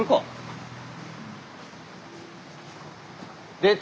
出た！